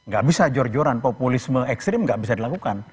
gak bisa jor joran populisme ekstrim nggak bisa dilakukan